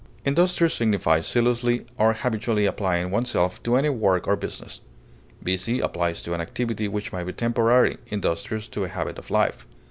Industrious signifies zealously or habitually applying oneself to any work or business. Busy applies to an activity which may be temporary, industrious to a habit of life.